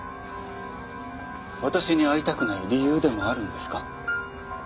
私に会いたくない理由でもあるんですか？